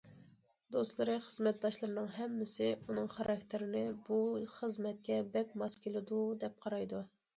دوستلىرى، خىزمەتداشلىرىنىڭ ھەممىسى ئۇنىڭ خاراكتېرىنى بۇ خىزمەتكە بەك ماس كېلىدۇ دەپ قارايدۇ.